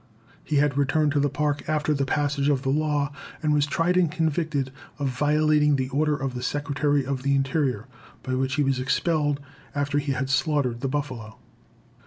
He had returned to the Park after the passage of the law, and was tried and convicted of violating the order of the Secretary of the Interior, by which he was expelled after he had slaughtered the buffalo.